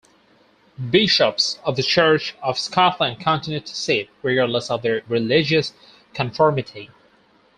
Bishops of the Church of Scotland continued to sit, regardless of their religious conformity.